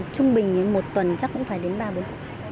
trung bình một tuần chắc cũng phải đến ba bốn tuần